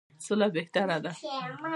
سوله بهتره ده.